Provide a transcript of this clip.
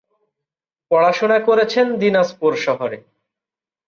পড়াশোনা করেছেন দিনাজপুর শহরে।